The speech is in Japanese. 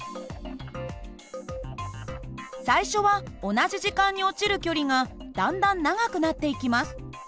最初は同じ時間に落ちる距離がだんだん長くなっていきます。